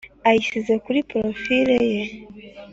ayishyize kuri porofile ye.